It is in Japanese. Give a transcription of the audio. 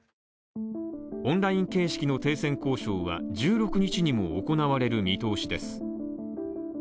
オンライン形式の停戦交渉は１６日にも行われる見通しです。